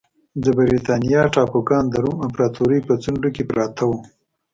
د برېټانیا ټاپوګان د روم امپراتورۍ په څنډو کې پراته وو